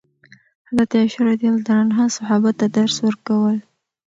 حضرت عایشه رضي الله عنها صحابه ته درس ورکول.